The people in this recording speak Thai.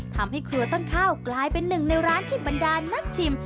ทำให้ครัวต้นข้าวกลายเป็นหนึ่งในร้านที่บรรดานนักชิม